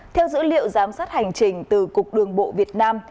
theo dữ liệu giám sát hành trình từ cục đường bộ việt nam